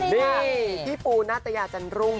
นี่พี่ปูนาตยาจันรุ่ง